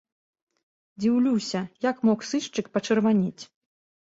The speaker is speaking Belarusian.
Дзіўлюся, як мог сышчык пачырванець?